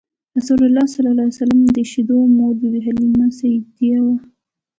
رسول الله ﷺ د شیدو مور بی بی حلیمه سعدیه وه.